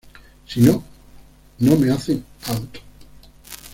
Si no, no me hacen out".